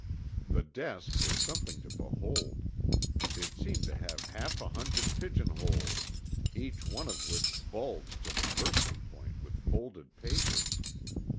The desk was something to behold. It seemed to have half a hundred pigeonholes, each one of which bulged to the bursting point with folded papers.